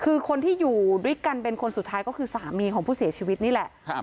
คือคนที่อยู่ด้วยกันเป็นคนสุดท้ายก็คือสามีของผู้เสียชีวิตนี่แหละครับ